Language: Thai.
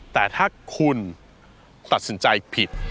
แต่ถ้าคุณตัดสินใจผิด